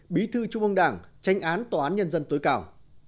bí thư trung âu đảng tranh án tòa án nhân dân tối cảo